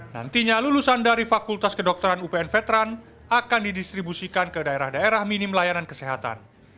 nantinya lulusan dari fakultas kedokteran upn veteran akan didistribusikan ke daerah daerah minim layanan kesehatan